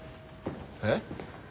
えっ？